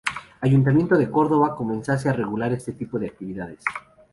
Ayuntamiento de Córdoba comenzase a regular este tipo de actividades.